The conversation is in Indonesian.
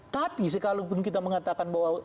tapi sekalipun kita mengatakan bahwa